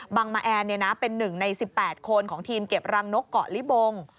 บังมะแอ่นเป็นหนึ่งใน๑๘คนของทีมเก็บรังนกเกาะลิบง